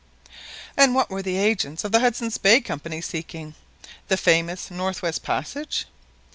"And what were the agents of the Hudson's Bay Company seeking? The famous North West Passage?"